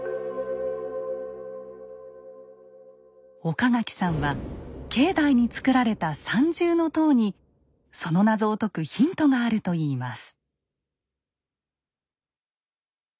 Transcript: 岡垣さんは境内に造られた三重塔にその謎を解くヒントがあるといいます。